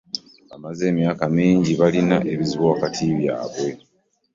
Bamaze emyaka mingi nga balina ebizibu wakati waabwe.